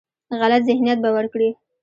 غلط ذهنیت به ورکړي.